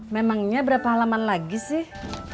memangnya berapa halaman lagi sih